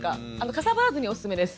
かさばらずにおすすめです。